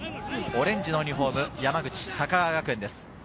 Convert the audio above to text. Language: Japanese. オレンジのユニホーム、山口・高川学園です。